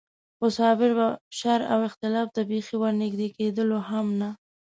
خو صابر به شر او اختلاف ته بېخي ور نږدې کېدلو هم نه.